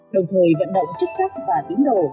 đồng thời vận động chức sách và tín đồ